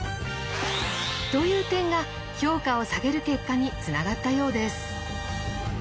という点が評価を下げる結果につながったようです。